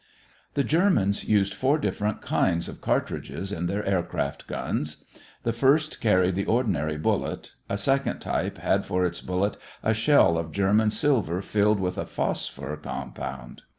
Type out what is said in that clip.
The Germans used four different kinds of cartridges in their aircraft guns. The first carried the ordinary bullet, a second type had for its bullet a shell of German silver filled with a phosphor compound.